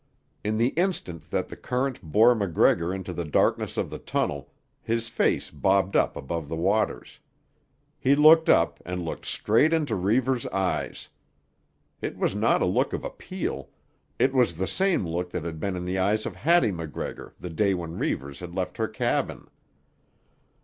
In the instant that the current bore MacGregor into the darkness of the tunnel his face bobbed up above the waters. He looked up, and looked straight into Reivers's eyes. It was not a look of appeal; it was the same look that had been in the eyes of Hattie MacGregor the day when Reivers had left her cabin.